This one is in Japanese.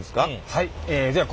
はい。